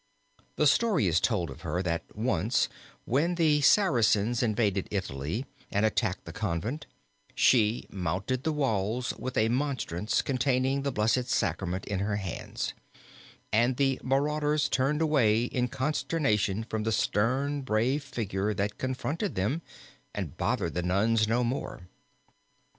The story is told of her, that once when the Saracens invaded Italy and attacked the convent, she mounted the walls with a monstrance containing the Blessed Sacrament in her hands, and the marauders turned away in consternation from the stern brave figure that confronted them, and bothered the nuns no more.